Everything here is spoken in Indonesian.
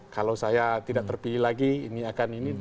kalau saya tidak terpilih lagi ini akan ini